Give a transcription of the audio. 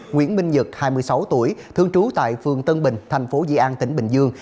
nguyễn minh nhật hai mươi sáu tuổi thương trú tại phường tân bình thành phố di an tỉnh bình dương